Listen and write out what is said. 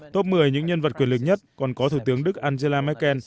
top một mươi những nhân vật quyền lực nhất còn có thủ tướng đức angela merkel